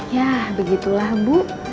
yah begitulah bu